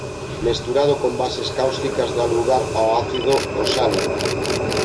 Mesturado con bases cáusticas dá lugar ao ácido oxálico.